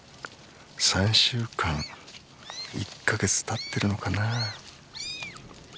３週間１か月たってるのかなあ。